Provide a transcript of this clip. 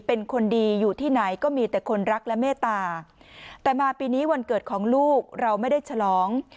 เป็นคนดีอยู่ที่ไหนก็มีแต่คนรักและเมตตาแต่มาปีนี้วันเกิดของลูกเราไม่ได้ฉลอง